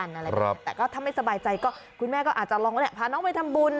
อะไรแบบนี้แต่ก็ถ้าไม่สบายใจก็คุณแม่ก็อาจจะลองแหละพาน้องไปทำบุญ